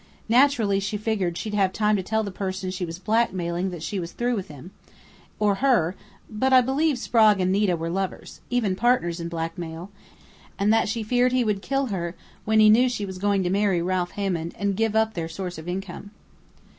Naturally she figured she'd have time to tell the person she was blackmailing that she was through with him or her, but I believe Sprague and Nita were lovers, even partners in blackmail, and that she feared he would kill her when he knew she was going to marry Ralph Hammond and give up their source of income."